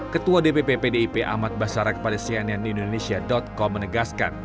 ketua dpp pdip ahmad basara kepada cnn indonesia com menegaskan